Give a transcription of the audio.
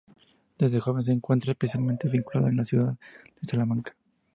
Desde joven se encuentra especialmente vinculado a la ciudad de Salamanca.